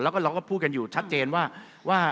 แล้วก็เราก็พูดกันอยู่ชัดเจนว่า